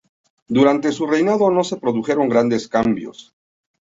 Durante su reinado no se produjeron grandes cambios.